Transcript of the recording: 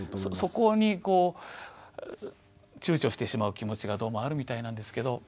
そこにこう躊躇してしまう気持ちがどうもあるみたいなんですけど。